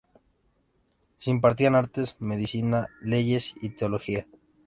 Se impartían artes, medicina, leyes, y teología.